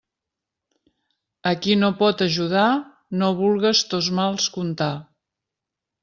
A qui no pot ajudar, no vulgues tos mals contar.